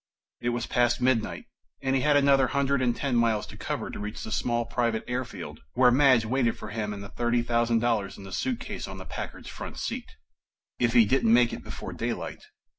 It was past midnight, and he had another hundred and ten miles to cover to reach the small private airfield where Madge waited for him and the thirty thousand dollars in the suitcase on the Packard's front seat. If he didn't make it before daylight....